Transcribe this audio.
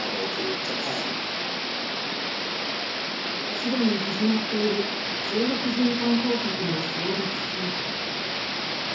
すでに始まっている中国人観光客の争奪戦。